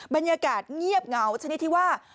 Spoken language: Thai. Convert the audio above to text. บรรยากาศเงียบเหงาชนิดที่ว่า